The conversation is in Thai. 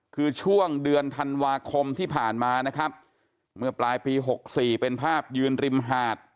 คือช่วงเดือนธันวาคมที่ผ่านมานะครับเมื่อปลายปีหกสี่เป็นภาพยืนริมหาด